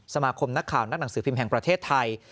สมาคมนักข่าวนักหนังสือพิมพ์แห่งประเทศไทย